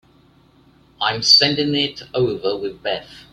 I'm sending it over with Beth.